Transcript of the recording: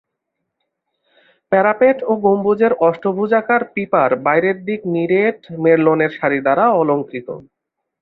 Parapet ও গম্বুজের অষ্টভুজাকার পিপার বাইরের দিক নিরেট মেরলোনের সারি দ্বারা অলঙ্কৃত।